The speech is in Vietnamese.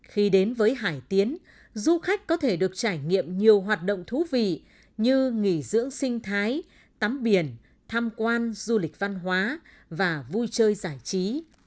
khi đến với hải tiến du khách có thể được trải nghiệm nhiều hoạt động thú vị như nghỉ dưỡng sinh thái tắm biển tham quan du lịch văn hóa và vui chơi giải trí